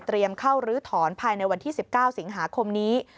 เข้าลื้อถอนภายในวันที่๑๙สิงหาคมนี้